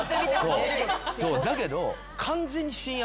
だけど。